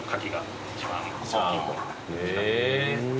へえ。